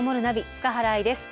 塚原愛です。